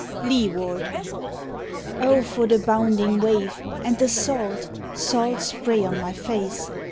LEEWARD O for the bounding wave, and the salt, salt spray on my face!